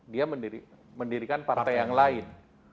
dia mendirikan partai yang lain